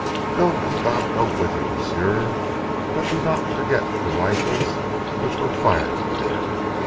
"Go, and God go with you, m'sieu; but do not forget zee rifles which were fired dere."